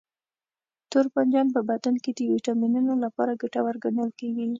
توربانجان په بدن کې د ویټامینونو لپاره ګټور ګڼل کېږي.